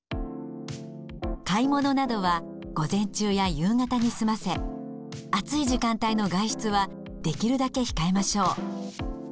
買い物などは午前中や夕方に済ませ暑い時間帯の外出はできるだけ控えましょう。